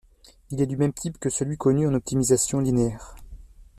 Il est du même type que celui connu en optimisation linéaire.